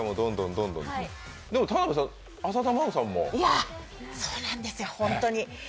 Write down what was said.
でも田辺さん、浅田真央さんもいや、そうなんです、ホントに。